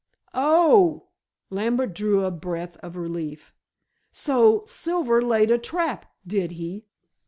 "Oh," Lambert drew a breath of relief, "so Silver laid a trap, did he?"